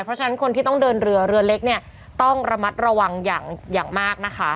เพราะฉะนั้นคนที่ต้องเดินเรือเรือเล็กเนี่ยต้องระมัดระวังอย่างมากนะคะ